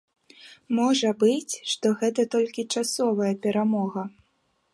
Можа быць, што гэта толькі часовая перамога.